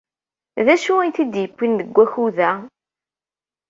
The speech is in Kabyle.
D acu ay t-id-yewwin deg wakud-a?